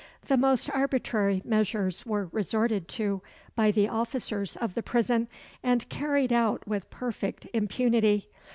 The most arbitrary measures were resorted to by the officers of the prison, and carried out with perfect impunity.